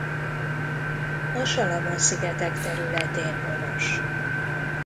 A Salamon-szigetek területén honos.